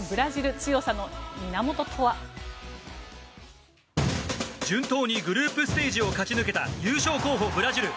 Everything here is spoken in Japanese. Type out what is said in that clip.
強さの源とは順当にグループステージを勝ち抜けた優勝候補、ブラジル。